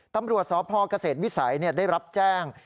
ตำรวจสพเกษตรวิสัยได้รับแจ้ง